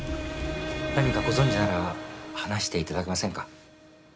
何かご存じなら話して頂けませんか？